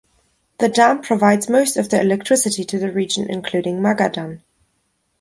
The dam provides most of the electricity to the region including Magadan.